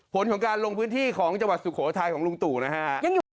ผลของการลงพื้นที่ของจังหวัดสุโขทัยของลุงตู่นะฮะ